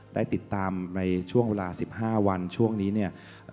ได้ติดตามในช่วงเวลา๑๕วันช่วงนี้เนี่ย